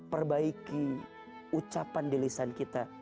perbaiki ucapan di lisan kita